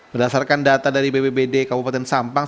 berdasarkan data dari bpbd kabupaten sampang